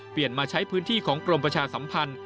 มาใช้พื้นที่ของกรมประชาสัมพันธ์